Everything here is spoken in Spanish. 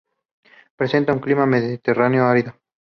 Presenta un clima mediterráneo árido.